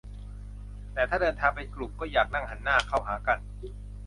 - แต่ถ้าเดินทางเป็นกลุ่ม ก็อยากนั่งหันหน้าเข้าหากัน